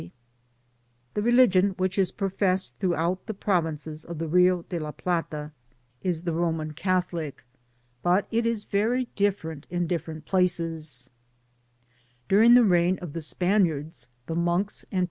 '* The religion which is pn^essed throughout the provinces of the Rio de la Plata is the Roman Catholic, but it is very different in different places* During the reign of the Spamards, the monks and Digitized byGoogk OF THE PAMPAS.